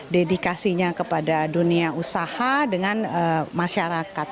dedikasinya kepada dunia usaha dengan masyarakat